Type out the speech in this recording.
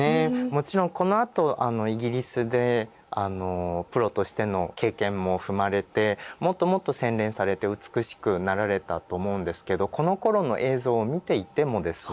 もちろんこのあとイギリスでプロとしての経験も踏まれてもっともっと洗練されて美しくなられたと思うんですけどこのころの映像を見ていてもですね